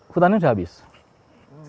hutannya sudah habis